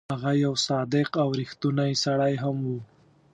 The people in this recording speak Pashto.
هغه یو صادق او ریښتونی سړی هم وو.